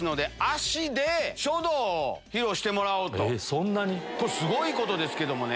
そんなに⁉これすごいことですけども。